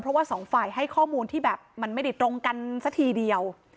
เพราะว่าสองฝ่ายให้ข้อมูลที่แบบมันไม่ได้ตรงกันสักทีเดียว